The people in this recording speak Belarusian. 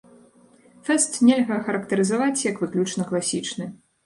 Фэст нельга ахарактарызаваць як выключна класічны.